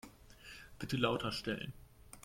Bitte lauter stellen.